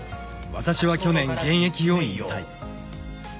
私は去年現役を引退。